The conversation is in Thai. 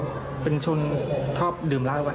ก็เป็นชนชอบดื่มร้าดูก่อน